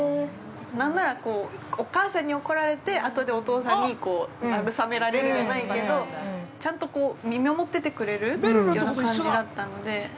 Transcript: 何なら、お母さんに怒られてあとで、お父さんに慰められるじゃないけどちゃんと見守っててくれるような感じだったので。